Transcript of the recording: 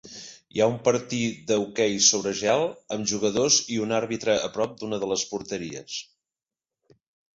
Hi ha un partir de hoquei sobre gel, amb jugadors i un arbitre a prop d'una de les porteries.